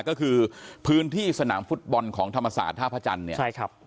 ก็คือพื้นที่สนามฟุตบอลของธรรมศาสตร์ท่าพระจันทร์